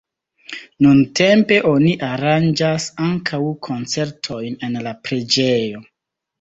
Nuntempe oni aranĝas ankaŭ koncertojn en la preĝejo.